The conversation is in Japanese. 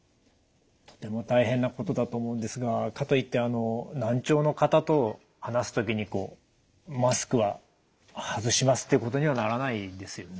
とても大変なことだと思うんですがかといってあの難聴の方と話す時にこうマスクは外しますっていうことにはならないですよね。